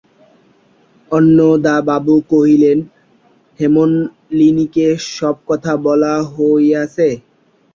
অন্নদাবাবু কহিলেন, হেমনলিনীকে সব কথা বলা হইয়াছে?